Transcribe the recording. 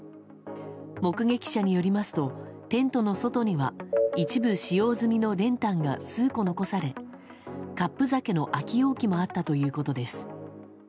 目撃者によりますとテントの外には一部使用済みの練炭が数個残されカップ酒の空き容器もあったということです。